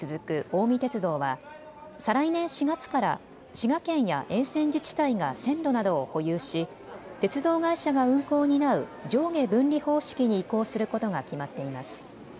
近江鉄道は再来年４月から滋賀県や沿線自治体が線路などを保有し鉄道会社が運行を担う上下分離方式に移行することが決まっています。